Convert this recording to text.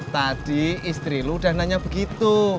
tadi istri lu udah nanya begitu